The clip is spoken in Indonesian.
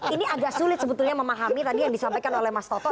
ini agak sulit sebetulnya memahami tadi yang disampaikan oleh mas toto